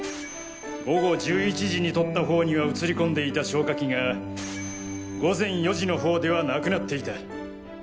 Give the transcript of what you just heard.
午後１１時に撮った方には映り込んでいた消火器が午前４時の方では無くなっていた。